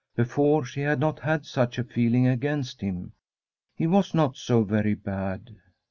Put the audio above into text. Before, she had not had such a feeling against him. He was not so very bad.